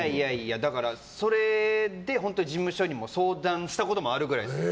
だから、それで本当に事務所にも相談したこともあるくらいです。